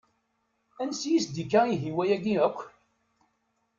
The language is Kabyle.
Ansi i s-d-ikka ihi wayagi akk?